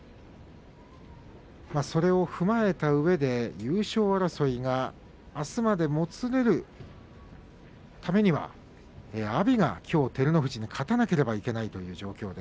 それを踏まえたうえで優勝争いがあすまでもつれるためには阿炎がきょう照ノ富士に勝たなければいけません。